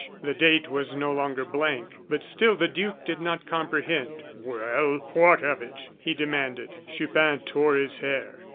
The date was no longer blank; but still the duke did not comprehend. "Well, what of it?" he demanded. Chupin tore his hair.